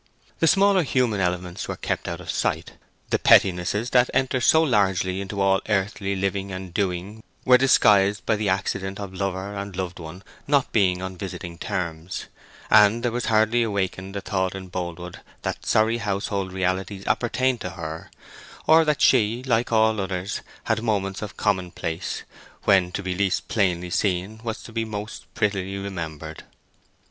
The smaller human elements were kept out of sight; the pettinesses that enter so largely into all earthly living and doing were disguised by the accident of lover and loved one not being on visiting terms; and there was hardly awakened a thought in Boldwood that sorry household realities appertained to her, or that she, like all others, had moments of commonplace, when to be least plainly seen was to be most prettily remembered.